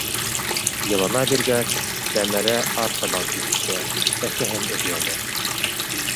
Йылына биргәс, Сәмәрә артабан китте, әсәһен эҙләне.